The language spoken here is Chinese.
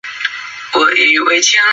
以下剧集按照首播顺序排列。